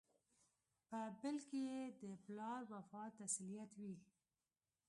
په بل کې یې د پلار وفات تسلیت وي.